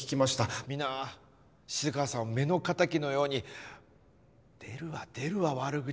みんな静川さんを目の敵のように出るわ出るわ悪口が。